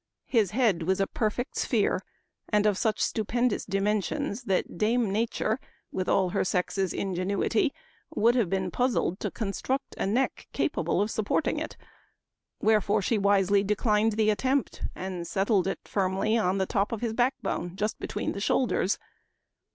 His head was a perfect sphere, and of such stupendous dimensions that Dame Nature with all her sex's ingenuity, would have been puzzled to construct a neck capable of supporting it ; wherefore she wisely declined the attempt, and settled it firmly on the top of his back bone, just between the shoulders.